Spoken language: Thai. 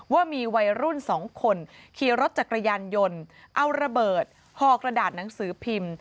ว่ามีวัยรุ่นสองคนขี่รถจักรยานยนต์เอาระเบิดห่อกระดาษหนังสือพิมพ์